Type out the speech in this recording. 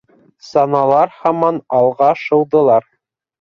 Саналар һаман алға шыуҙылар.